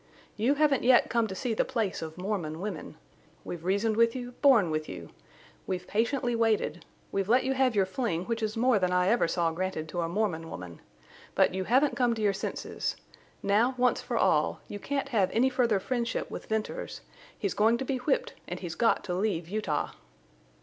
You haven't yet come to see the place of Mormon women. We've reasoned with you, borne with you. We've patiently waited. We've let you have your fling, which is more than I ever saw granted to a Mormon woman. But you haven't come to your senses. Now, once for all, you can't have any further friendship with Venters. He's going to be whipped, and he's got to leave Utah!"